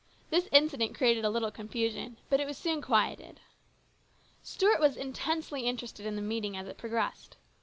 This incident created a little confusion, but it was soon quieted. Stuart was intensely interested in the meeting as it progressed.